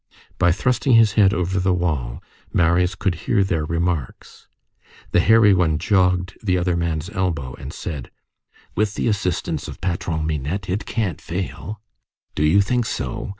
By thrusting his head over the wall, Marius could hear their remarks. The hairy one jogged the other man's elbow and said:— "—With the assistance of Patron Minette, it can't fail." "Do you think so?"